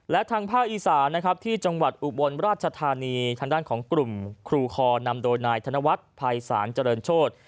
และทางภาคอีสานนะครับที่จังหวัดอุบลราชธานีทางด้านของกลุ่มครูคอนำโดยนายธนวัฒน์ภัยศาลเจริญโชธ